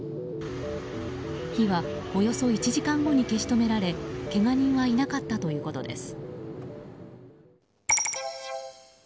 火はおよそ１時間後に消し止められけが人はいなかったということです。